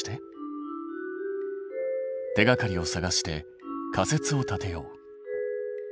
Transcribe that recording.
手がかりを探して仮説を立てよう。